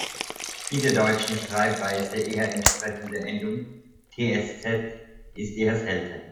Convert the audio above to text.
Die der deutschen Schreibweise eher entsprechende Endung ‚tsz‘ ist eher selten.